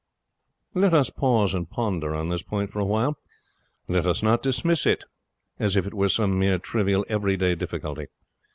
Let us pause and ponder on this point for a while. Let us not dismiss it as if it were some mere trivial, everyday difficulty.